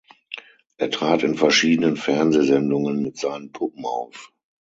Er trat in verschiedenen Fernsehsendungen mit seinen Puppen auf.